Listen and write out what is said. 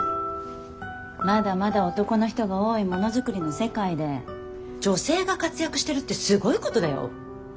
まだまだ男の人が多いものづくりの世界で女性が活躍してるってすごいことだよ。